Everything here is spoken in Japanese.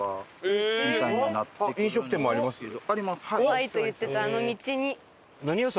「怖い」と言ってたあの道に。